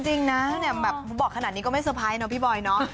จริงนะแบบบอกขนาดนี้ก็ไม่เตอร์ไพรสเนาะพี่บอยเนาะ